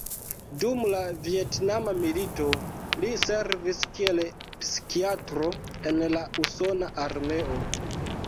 Dum la Vjetnama milito li servis kiel psikiatro en la usona armeo.